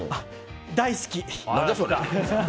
大好き！